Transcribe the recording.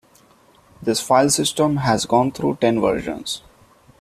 This file system has gone through ten versions.